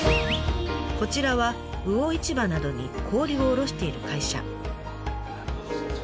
こちらは魚市場などに氷を卸している会社。